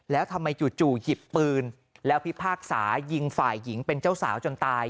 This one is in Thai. แล้วทำไมจู่หยิบปืนแล้วพิพากษายิงฝ่ายหญิงเป็นเจ้าสาวจนตาย